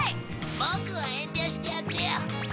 ボクは遠慮しておくよ。